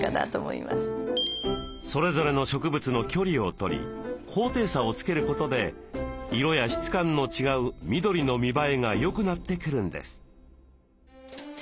それぞれの植物の距離をとり高低差をつけることで色や質感の違う緑の見栄えがよくなってくるんです。